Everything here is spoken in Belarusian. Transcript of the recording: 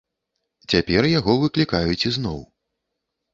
Цяпер яго выклікаюць ізноў.